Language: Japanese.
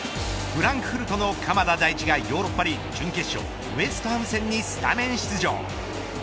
フランクフルトの鎌田大地がヨーロッパリーグ準決勝ウエストハム戦にスタメン出場。